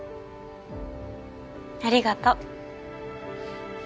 ありがとう。